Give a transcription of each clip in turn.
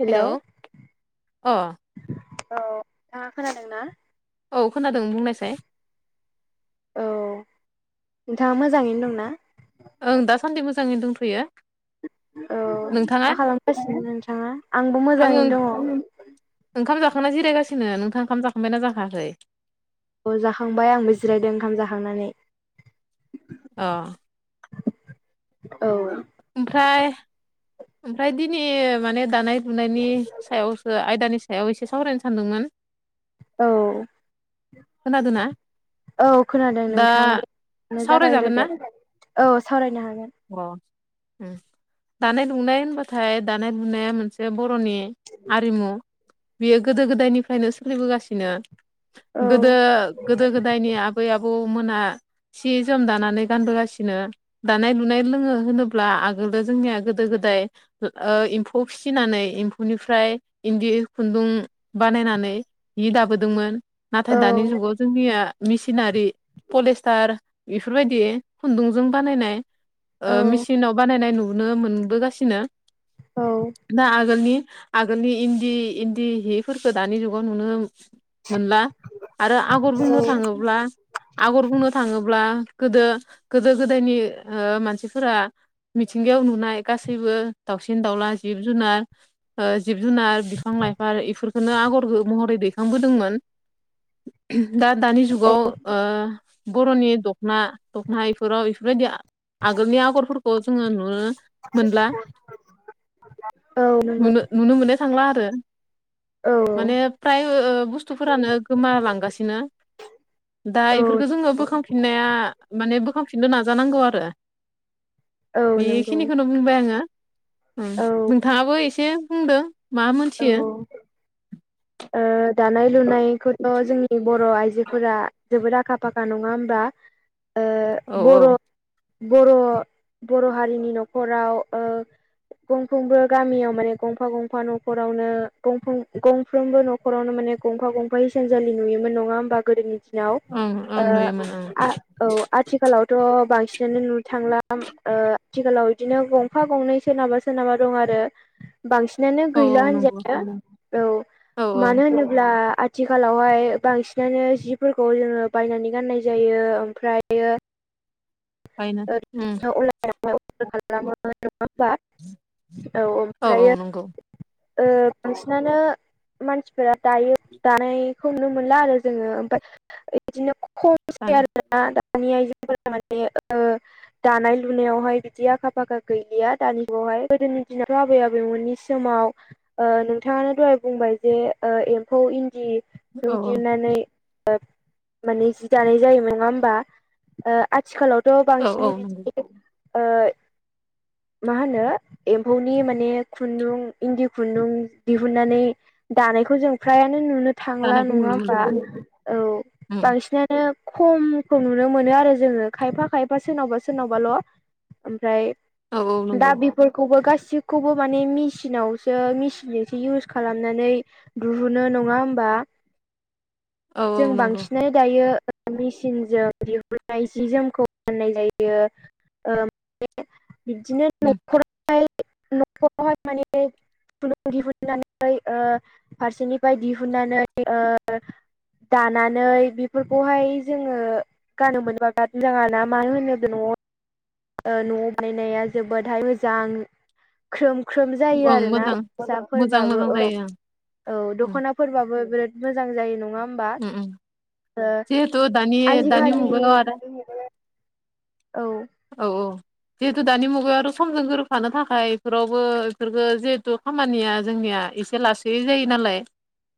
Hello औ अ नोंथाङा खोनादोंना? औ खोनादों बुंनायसाय। औ नोंथाङा मोजाङैनो दंना? ओं दासान्दि मोजाङैनो दंथ'यो औ नोंथाङा मा खालामगासिनो नोंथाङा आंबो आङो मोजाङैनो दङ ओंखाम जाखांना जिरायगासिनो नोंथां ओंखाम जांना जाखायाखै औ जाखांबाय आंबो जिरायदों ओंखाम जाखांनानै औ औ ओमफ्राय ओमफ्राय दिनै माने दानाय लुनायनि सायावसो आयदानियाव हायाव एसे सावरायनो सानदोंमोन औ खोनादोना? औ खोनादों नोंथां। [unintelligible] सावरायजागोन ना जागायग्रोदो औ सावरायनो हागोन। अ उम दानाय दुनाय होनबाथाय दानाय बुनाया मोनसे बर'नि आरिमु बियो गोदो गोदायनिफ्रायनो सोलिबोगासिनो। औ गोदो गोदो-गोदायनि आबै आबौमोना सि-जोम दानानै गानबोगासिनो। दानाय-लुनाय लोङो होनोब्ला आगोलो जोंनिया गोदो-गोदाय फ्राय ओ एम्फौ फिसिनानै एम्फौनिफ्राय इन्दि खुन्दुं बानायनानै हि दाबोदोंमोन नाथाय औ दानि जुगाव जोंनिया मिसिनारि पलिस्टार बेफोरबायदि खुन्दुंजों बानायनाय। ओ औ मेसिनाव बानायनाय नुनो मोनबोगासिनो। औ दा आगोलनि आगोलनि इन्दि इन्दि हिफोरखौ दानि जुगाव नुनो मोनला आरो आगर बुंनो थाङोब्ला आगर बुंनो थाङोब्ला गोदो गोदो-गोदायनि ओ मानसिफोरा मिथिंगायाव नुनाय गासैबो दाउसिन-दाउला, जिब-जुनार ओ जिब-जुनार बिफां-लाइफां इफोरखौनो आगरबो महरै दैखांबोदोंमोन। [inaudible] दा-दानि औ जुगाव ओ बर'नि दखना दखना इफोराव इफोरबायदिया आगोलनि आगरफोरखौ जोङो नुनो मोनला। औ नंगौ नुनो-नुनो मोननो थांला आरो। औ माने प्राय ओ-ओ बुस्थुफोरानो गोमालांगासिनो। दा औ इफोरखौ जोङो बोखांफिननाया माने बोखांफिननो नाजानांगौ आरो। औ नंगौ बेखिनिखौनो बुंबाय आङो उम औ नोंथाङाबो एसे बुंदो। मा औ मोनथियो ओ दानाय-लुनायखौथ' जोंनि बर' आइजोफोरा जोबोद आखा-फाखा। नङा होमबा? ओ औ औ बर' बर' बर' हारिनि न'खराव ओ गंफ्रोमबो गामियाव माने गंफा-गंफा न'- खरावनो गंफ्रोम गंफ्रोमबो न'खरावनो माने गंफा गंफा हिसानसालि नुयोमोन नङा होमबा। गोदोनि- याव ओं ओं ओ नुयोमोन ओं आ औ आथिखालावथ बांसिनानो नुनो थांला ओ आथिखालाव बिदिनो गं- गंफा-गंनै सोरनाबा सोरनाबा दं आरो बांसिनानो औ गैला औ नंगौ होनजायो। औ औ औ मानो होनोब्ला आथिखालावहाय बांसिनानो जिफोरखौ जोङो बायनानै गाननाय जायो ओम फ्रायो बायनो उम [unintelligible] खालामो नङा होमबा औ औ नंगौ ओमफ्रायो ओ बांसिनानो मानसिफोरा दायो दानायखौ नुनो मोनला आरो जोङो ओमफाय इदिनो खमसै जानो आरोना दानि आइजोफोरा माने ओ दानाय लुनायावहाय बिदि आखा फाखा गैलिया दानि जुगावहाय गोदोनि दिनावथ' आबै आबौमोननि समाव ओ नोंथाङानो दहाय बुंबाय जे ओ एम्फौ इन्दि औ [unintelligible] माने जि दानाय जायो नङा होमबा। ओ आथिखालावथ' औ औ बांसिनै नंगौ बिदि ओ मा होनो? एम्फौनि माने खुन्दुं इन्दि खुन्दुं दिहुननानै दानायखौ जों फ्रायानो नुनो थांला जानायखौ नङा नुनो होमबा। मोनला औ उम बांसिना- नो खमखौ नुनो मोनो आरो जोङो खायफा- खायफा सोरनावबा सोरनावबाल‌' ओमफ्राय औ औ दा नंगौ बे- फोरखौबो गासिखौबो माने मेसिनावसो मेचिनजोंसो इउस खालामनानै दुहुनो नङा होमबा। औ जों औ नंगौ बांसिनै दायो मेचिनजों दिहुननाय जि जोमखौ फाननाय जायो ओ बे बिदिनो उम न'खर फाय न'खरावहाय माने खुन्दुं दिहुननानै ओ फारसेनिफ्राय दिहुननानै ओ दानानै बिफोरखौहाय जोङो गाननो मोनबा बिराद मोजां आरोना मानो होनोब्ला न'आव ओ न'आव बानायनाया जोबोदहाय मोजां। ख्रोम ख्रोम जायो ओं आरोना मोजां मोजां दख'नाफोरबाबो मोजां औ जायो औ ओं दख'ना फोरबाबो बिराद मोजां जायो नङा होमबा उम उम ओ जिहेथु दानि दानि आजिखालि मुगायाव आरो औ। औ औ जिहेतु दानि मुगायावथ' समजों गोरोबफानो थाखाय बेफोरावबो बेफोरखौ जिहेतु खामानिया जोंनिया एसे लासैयै जायो नालाय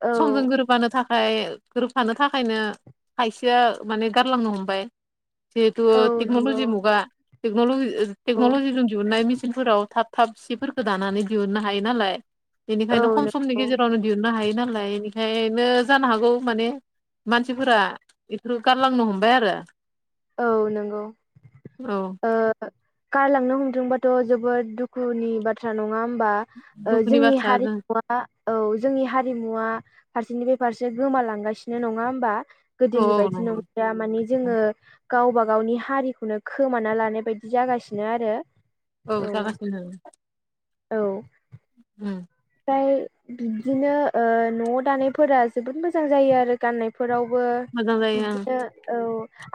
औ समजों गोरोबबानो थाखाय गोरोबफानो थाखायनो खायसेया माने गारलांनो हमबाय। जिहेतु औ नंगौ टेक्न'लजि मुगा टेक्न'लजि ओ औ टेक्न'लजिजों दिहुननाय मेसिनफोराव थाब थाब सिफोरखौ दानानै दिहुननो हायो नालाय बेनिखायनो खम समनि नंगौ गेजेर फ्रावनो दिहुननो हायो नालाय बिखायनो जानो हागौ माने मानसिफोरा बेफोरखौ गारलांनो हमबाय आरो। औ नोंगौ औ ओ गारलांनो हमदोंबाथ' जोबोद दुखुनि बाथ्रा नङा होमबा? ओ दुखुनि जोंनि बाथ्रा जों हारिमुआ आ औ जोंनि हारिमुआ फारसेनिफ्राय फारसे गोमालांगासिनो। नङा होमबा? औ गोदोनि औ बायदि नंगौ नंलिया माने जोङो गावबा गावनि हारिखौनो खोमाना लानाय बायदि जागासिनो आरो। औ जागासिनो उम। फ्राय बिदिनो ओ न'आव दानायफोरा जोबोद मोजां जायो आरो। गाननायफोरावबो मोजां जायो बिदिनो औ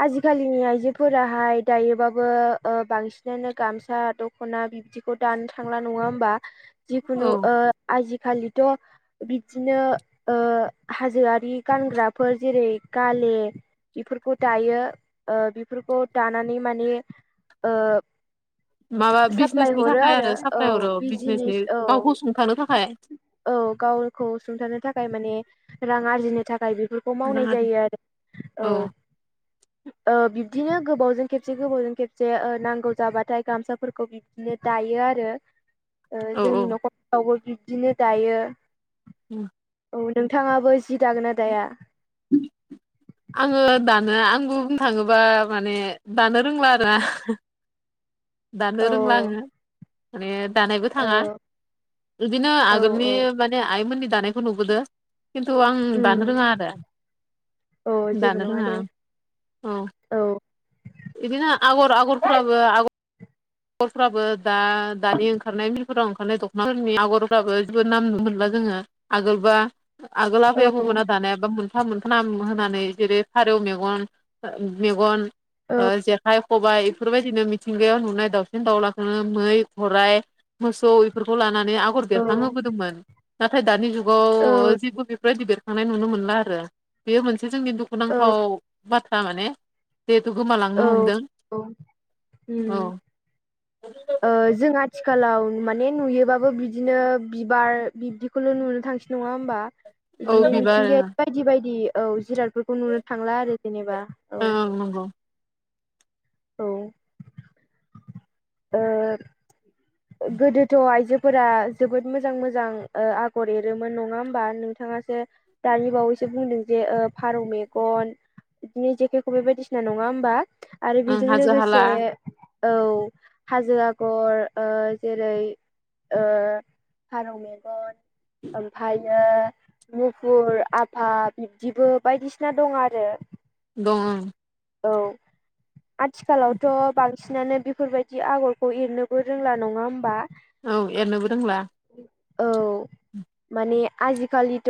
आजिखालिनि आइजोफोराहाय दायोबाबो ओ बांसिनानो गामसा दख'ना बि दिखौ दानो थांला। नङा होमबा? जिखुनु ओं औ ओ आजिखालिथ' बिदिनो ओ हाजोआरि गानग्राफोर जेरै गाले बेफोरखौ दायो ओ बेफोरखौ दानानै माने ओ माबा साप्लाय बिजनेसनि हरो थाखाय आरो औ साप्लाय हरो बिजनेसनि बिजिनेस औ। गावखौ सुंथानो थाखाय। औ गावखौ सुंथानो थाखाय माने रां आरजिनो थाखाय बेफोर खौ मावनाय जायो आरो औ। ओ बिब्दिनो गोबावजों खेबसे गोबावजों खेबसे ओ नांगौ जाबाथाय गामसाफोरखौ बिब दिनो दायो आरो ओ औ औ जोंनि न'खरफ्रावबो बिब्दिनो दायो। उम। औ नोंथाङाबो जि दागोनना दाया? [inaudible] आङो दानो आंबो बुंनो थाङोबा माने दानो रोंला आरोना। दानो औ रोंला आङो माने दानायबो औ थाङा। इदिनो औ आगोलनि औ माने आइमोननि दानायखौ नुबोदो। खिन्थु आं दानो उम रोङा आरो। औ जेबो दानो नङा रोङा दे आं औ। इदिनो आगर आगरफ्राबो आग गरफ्राबो दा दानि ओंखारनाय मिलफोराव ओंखारनाय दख'नाफोरनि आग'रफ्राबो जेबो नाम नुनो मोनला जोङो। आगोलबा आगोल औ आफायाबो मोना दानायाबा मोन फा मोनफा नाम होनानै जेरै फारौ मेगन ओ मेगन औ ओ जेखाइ खबाइ इफोरबायदिनो मिथिंगायाव नुनाय दाउ सिन दावउलाखौनो मै गराइ मोसौ इफोरखौ लानानै आगर बेरखांहोबोदोंमोन। नाथाय दानि औ जुगाव जेबो ओ बेफोरबायदि बेरखांनाय नुनो मोनला आरो। बेयो मोनसे जोंनि दुखुनांथाव बाथ्रा माने। देथ' गोमालांनो औ हमदों औ औ। उम ओ जों आथिखालाव माने नुयोबाबो बिदिनो बिबार बिबदि बेखौल' नुनो थांसै नङा होमबा। औ बिदिनो बिबार मिथिंगायारि बायदि बायदि औ जिरादफोरखौ नुनो थांला आरो जेनेबा। औ नंगौ। औ ओ गोदोथ' आइजो फोरा जोबोद मोजां मोजां आगर एरोमोन नङा होमबा नोंथाङासो दानि बावैसो बुंदों जे ओ फारौ मेगन बिदिनो जेखाइ खबाइ बायदिसिना नङा होमबा। आरो ओं बेजों हाजो हाला लोगोसे औ हाजो आगर। ओ जेरै ओ फारौ मेगन, ओमफ्रायनो मुफुर आफा बिब्दिबो बायदिसिना दं आरो। दं ओं। औ आथिखालावथ' बांसिनानो बेफोरबायदि आगरखौ एरनो बो रोंला नङा होमबा। औ एरनोबो रोंला। औ। माने आजिखालिथ'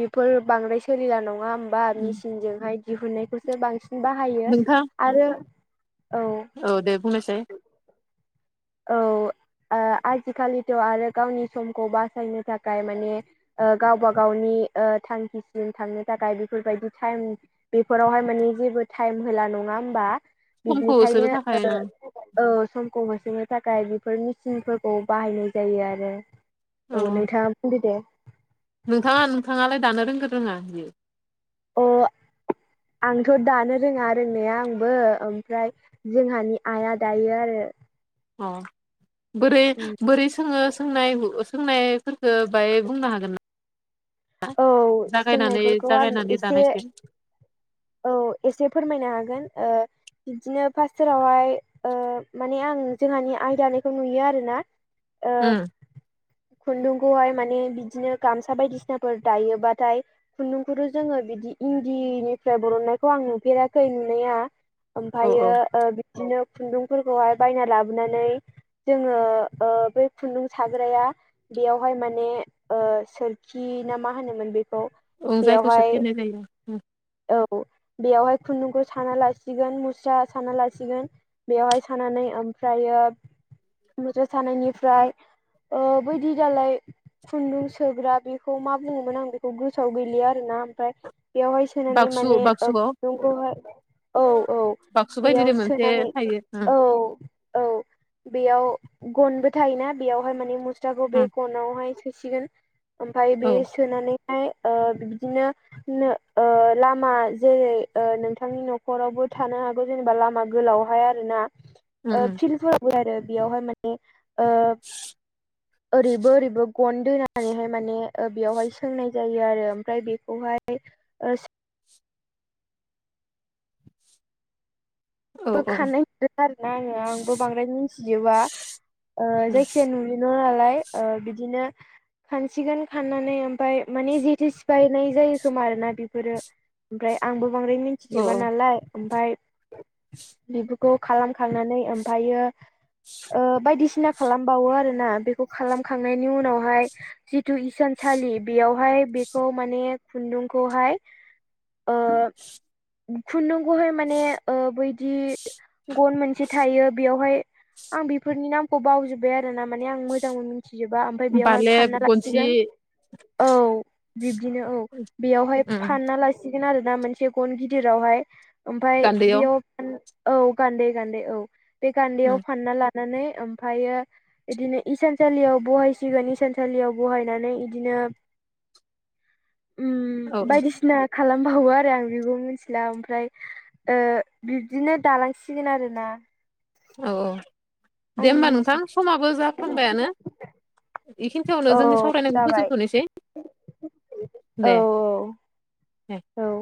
बेफोर बांद्राय सोलिला नङा बा उम मेसिनजोंहाय दिहुननायखौसो बांसिन बाहायो नोंथां आरो औ। औ दे बुंनायसाय। औ आजिखालिथ' आरो गावनि समखौ बासायनो थाखाय माने गावबा गावनि ओ थांखिसिम थांनो थाखाय बेफोरबायदि टाइम बेफोरावहाय माने जेबो टाइम होला नङा होमबा। समखौ होसोनो थाखाय बिदिखायनो ओं ओ औ समखौ होसोनो थाखाय बेफोर मेसिनफोरखौ बाहायनाय जायो आरो। औ नोंथाङा बुंदो दे। नोंथाङा नोंथाङालाय दानो रोंगोन रोङा बिदि? अ आंथ' दानो रोङा रोंनाया आंबो ओमफ्राय जोंहानि आइआ दायो आरो। अ बोरै बोरै सोङो सोंनाय सोंनायफोरखौ बाङाय बुंनो हागोन ना? औ जागायनानै सोंनायफोरखौ आं जागायनानै एसे दानायसिम औ एसे फोरमायनो हागोन ओ बिदिनो फार्स्टावहाय माने आं जोंहानि आय दानायखौ नुयो आरोना ओ ओम खुन्दुंखौहाय माने बिदिनो गामसा बायदिसिना फोर दायोबाथाय खुन्दुंखौथ' जोङो बिदि इन्दिनिफ्राय बरननायखौ आं नुफेराखै नुनाया औ ओमफ्रायो औ ओ बिदिनो खुन्दुंफोरखौहाय बायना लाबोनानै जोङो ओ बे खुन्दुं साग्राया बेयावहाय माने ओ सोरखि ना मा होनोमोन बेखौ औ जायखौ सोरखि बेयावहाय होननाय जायो उ। औ बेवहाय खुन्दुंखौ साना लासिगोन मुस्रा साना लासिगोन। बेवहाय सानानै ओमफ्रायो मुस्रा सानायनिफ्राय ओ बैदि दालाय खुन्दुं सोग्रा बे खौ मा बुङोमोन आं बेखौ गोसोआव गैलिया आरोना ओमफाय बेयावहाय सोनानै बाक्सु माने बाक्सुआव खुदुंखौहाय औ औ बाक्सु बेयाव बायदिनो मोनसे सोनानै थायो ओम औ। औ बेयाव गनबो थायोना बेयावहाय माने मुस फिथाखौ बे खनावहाय सोसिगोन ओमफ्राय ओम बे औ सोनानैहाय ओ बिदिनो नो ओ लामा जेरै ओ नोंथांनि न'खरावबो थानो हागोन जेनेबा लामा गोलावहाय आरो ना ओ ओम फिल्डफोराबो आरो बेयावहाय माने ओ ओरैबो ओरैबो गन दोनानैहाय माने ओ बेयावहाय सोंनाय जायो आरो ओमफ्राय बेखौहाय ओ सि ओम औ औ बोखानाय नुदों आरो ना आंङो आंबो बांद्राय मिन्थिजोबा ओ उम जायखिजाया नुयो नो नालाय ओ बिदिनो खानसिगोन खाननानै ओमफाय माने जेथो सिफायनाय जायो खोमा आरोना बिफोरो ओमफ्राय आंबो बांद्राय औ मिन्थिजोबा औ नालाय ओमफाय बेफोरखौ खालामखांनानै ओमफायो ओ बायदिसिना खालामबावो आरो ना बेखौ खालामखांनायनि उनावहाय जिथु इसानसालि बियावहाय बेखौ माने खुन्दुंखौहाय ओ खुन्दुंखौहाय माने ओ बै जि गन मोनसे थायो बेयावहाय आं बिफोरनि नामखौ बावजोब्बाय आरो ना माने आं मोजांबो मिन थिजोबा ओमफ्राय बेयावहाय बालेब फानना गनसि लासिगोन औ बिब्दिनो औ बेयावहाय ओम फानना ला सिगोन आरो ना मोनसे गन गिदिरावहाय ओमफाय गान्दैयाव बेयाव औ गान्दै गान्दै औ बे गान्दैआव ओम फानना लानानै ओमफायो बिदिनो इसानसालियाव बहायसिगोन इसानसालियाव बहायनानै इदिनो [inaudible] उम औ बायदिसिना खालामबावो आरो आं बिबो मिन्थिला ओमफ्राय ओ बिब्दिनो दालांसिगोन आरोना औ औ दे आंनि होमबा नोंथां मिथिनाय समाबो जाफ्लांबायानो बेखिनिथियावनो औ जोंनि सावरायनायखौ जाबाय फोजोबथ'निसै औ औ औ